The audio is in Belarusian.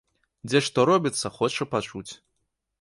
Дзе што робіцца, хоча пачуць.